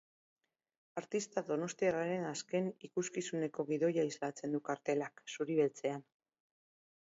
Artista donostiarraren azken ikuskizuneko gidoia islatzen du kartelak, zuri-beltzean.